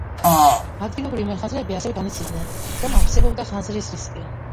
ადგილობრივი მეხანძრეები ასევე განიცდიდნენ, რომ არსებობდა ხანძრის რისკი.